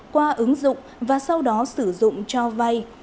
qua ứng dụng và sau đó sử dụng cho vay